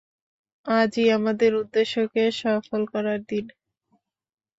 আজই আমাদের উদ্দেশ্যকে সফল করার দিন!